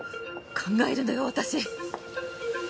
考えるのよ私！